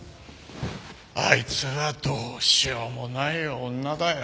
あいつはどうしようもない女だよ。